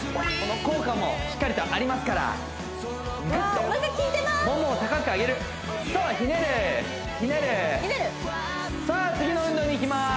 効果もしっかりとありますからグッとももを高く上げるさあひねるひねるひねるさあ次の運動にいきます